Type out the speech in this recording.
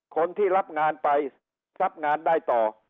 คนที่รับงานไปรับงานได้ต่อ